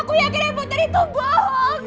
aku yakin rebotnya itu bohong